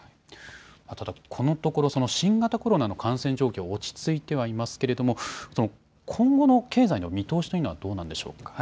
ただこのところ新型コロナの感染状況は落ち着いてはいますけれども今後の経済の見通しというのはどうなんでしょうか。